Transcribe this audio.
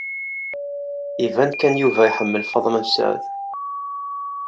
Iban kan Yuba iḥemmel Faḍma Mesɛud.